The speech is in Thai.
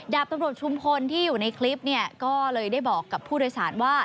ดาบตำรวจชุมพลที่อยู่ในคลิปเนี่ยก็เลยได้บอกกับผู้โดยสารว่า